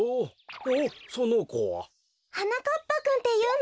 おっそのこは？はなかっぱくんっていうの。